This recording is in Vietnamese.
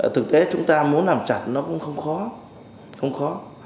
thực tế chúng ta muốn làm chặt nó cũng không khó không khó